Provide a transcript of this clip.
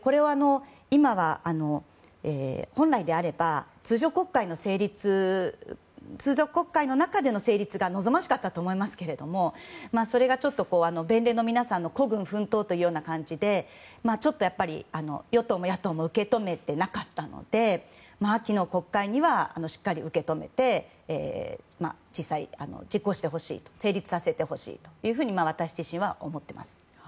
これは今は本来であれば通常国会の中での成立が望ましかったと思いますけれどもそれがちょっと弁連の皆さんの孤軍奮闘という感じで与党も野党も受け止めていなかったので秋の国会にはしっかり受け止めて実際に実行してほしい成立させてほしいと私自身は思っています。